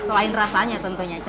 selain rasanya tentunya